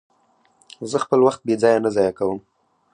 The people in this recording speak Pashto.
زه خپل وخت بې ځایه نه ضایع کوم.